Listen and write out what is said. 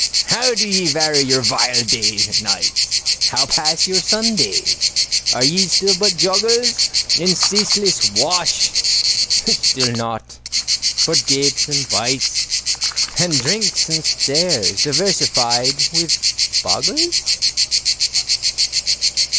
How do ye vary your vile days and nights? How pass your Sundays? Are ye still but joggles In ceaseless wash? Still naught but gapes and bites, And drinks and stares, diversified with boggles?